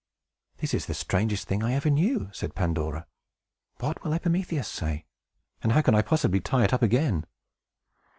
"This is the strangest thing I ever knew!" said Pandora. "What will Epimetheus say? And how can I possibly tie it up again?"